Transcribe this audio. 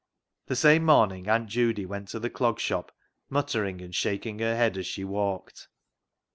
The same morning Aunt Judy went to the Clog Shop, muttering and shaking her head as she walked.